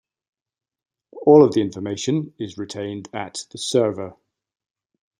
All of the information is retained at the server.